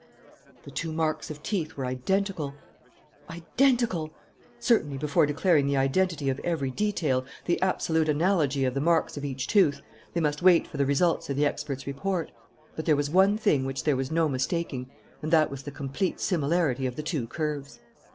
The two marks of teeth were identical. Identical! Certainly, before declaring the identity of every detail, the absolute analogy of the marks of each tooth, they must wait for the results of the expert's report. But there was one thing which there was no mistaking and that was the complete similarity of the two curves.